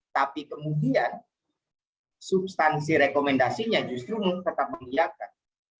tapi kemudian substansi rekomendasinya justru tetap mengiakan